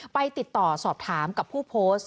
ไปติดต่อสอบถามกับผู้โพสต์